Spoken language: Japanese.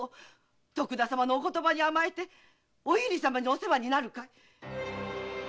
徳田様のお言葉に甘えてお由利様にお世話になるかい？